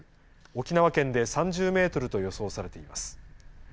沖縄県で３０メートルと予想されています。